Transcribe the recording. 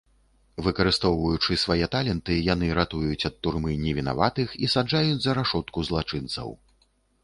Выкарыстоўваючы свае таленты, яны ратуюць ад турмы невінаватых і саджаюць за рашотку злачынцаў.